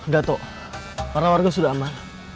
gatoh para warga sudah aman